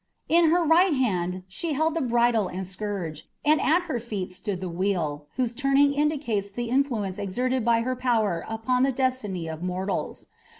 In her right hand she held the bridle and scourge, and at her feet stood the wheel, whose turning indicates the influence exerted by her power upon the destiny of mortals.